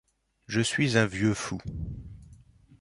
Je suis un vieux fou.